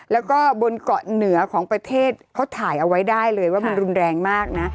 แล้วก็บนเกาะเหนือของประเทศเขาถ่ายเอาไว้ได้เลยว่ามันรุนแรงมากนะ